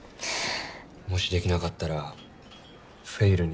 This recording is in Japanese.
もしできなかったらフェイルに。